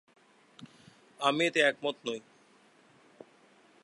আমি এতে একমত নই।